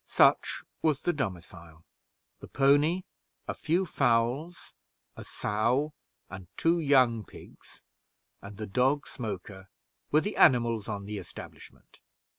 Such was the domicile; the pony, a few fowls, a sow and two young pigs, and the dog Smoker, were the animals on the establishment.